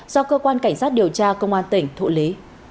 do cơ quan cảnh sát điều tra công an tỉnh thụ lý